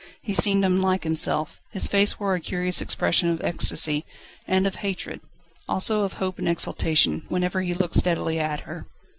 He seemed unlike himself. His face wore a curious expression of ecstasy and of hatred, also of hope and exultation, whenever he looked steadily at her.